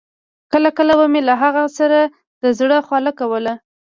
کله کله به مې له هغه سره د زړه خواله کوله.